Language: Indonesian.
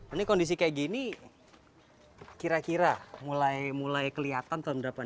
ini kondisi kayak gini kira kira mulai kelihatan terdapat